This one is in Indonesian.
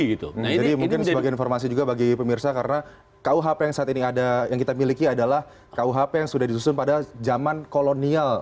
jadi mungkin sebagai informasi juga bagi pemirsa karena kuhp yang saat ini ada yang kita miliki adalah kuhp yang sudah disusun pada zaman kolonial